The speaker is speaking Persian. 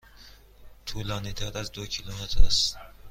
طولانی تر از دو کیلومتر است.